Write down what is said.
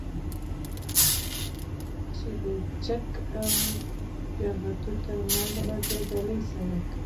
چې د چك او جغتو ترمنځ غځېدلى سړك